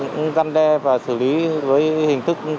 cũng gian đe và xử lý rất nhiều đối tượng